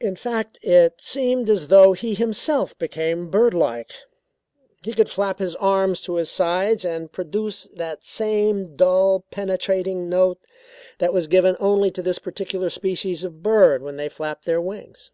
In fact it seemed as though he himself became birdlike. He could flap his arms to his sides and produce that same dull penetrating note that was given only to this particular species of bird when they flapped their wings.